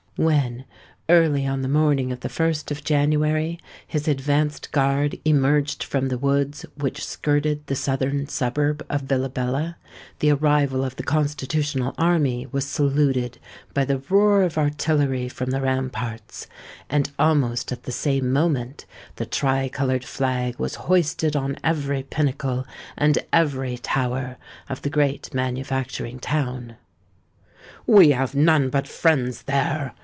When, early on the morning of the 1st of January, his advanced guard emerged from the woods which skirted the southern suburb of Villabella, the arrival of the Constitutional Army was saluted by the roar of artillery from the ramparts; and almost at the same moment the tri coloured flag was hoisted on every pinnacle and every tower of the great manufacturing town. "We have none but friends there!"